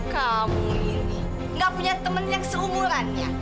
kamu ini gak punya temen yang seumuran ya